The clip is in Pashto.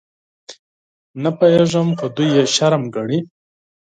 _نه پوهېږم، خو دوی يې شرم ګڼي.